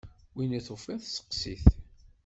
Win i tufiḍ steqsi-t!